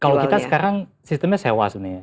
kalau kita sekarang sistemnya sewa sebenarnya